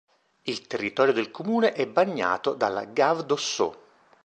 Il territorio del comune è bagnato dalla gave d'Ossau.